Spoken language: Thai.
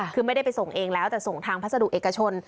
คือไม่ได้ไปส่งเองแล้วแต่ส่งทางพัสดุเอกชน